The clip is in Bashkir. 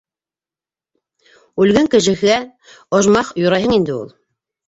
Үлгән кешегә ожмах юрайһың инде уны...